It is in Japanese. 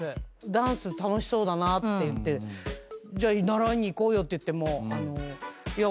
ダンス楽しそうだなって言ってじゃあ習いに行こうよって言っても。